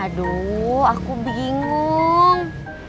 aduu aku bingung